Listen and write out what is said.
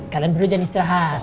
kalian berdua jangan istirahat